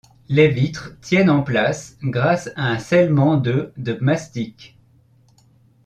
Les vitres tiennent en place grâce à un scellement de de mastic.